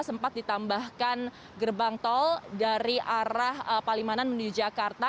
sempat ditambahkan gerbang tol dari arah palimanan menuju jakarta